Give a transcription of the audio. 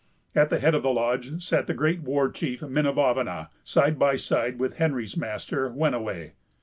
At the head of the lodge sat the great war chief Minavavana, side by side with Henry's master, Wenniway.